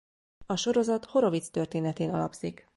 A sorozat Horowitz történetén alapszik.